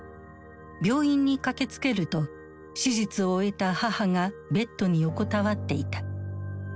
病院に駆けつけると手術を終えた母がベッドに横たわっていた。